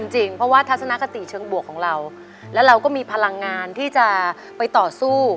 จริงเพราะว่าทัศนคติเชิงบวกของเราแล้วเราก็มีพลังงานที่จะไปต่อสู้